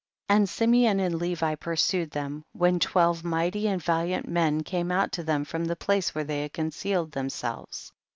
37. And Simeon and Levi pur sued them, when twelve mighty and valiant men came out to them from the place where they had concealed themselves.